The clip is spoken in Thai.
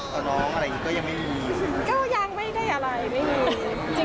ก็ยังไม่ได้อะไร